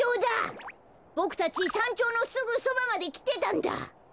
ボクたちさんちょうのすぐそばまできてたんだ。